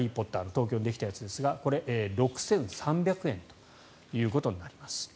東京にできたやつですが６３００円ということになります。